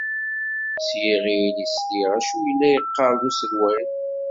S yiɣil i sliɣ acu yella yeqqar-d uselway.